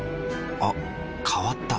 あ変わった。